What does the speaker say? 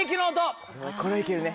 これはいけるね